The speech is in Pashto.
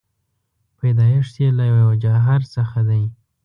پیدایښت یې له یوه جوهر څخه دی.